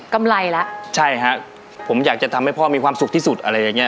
กำไรแล้วใช่ฮะผมอยากจะทำให้พ่อมีความสุขที่สุดอะไรอย่างเงี้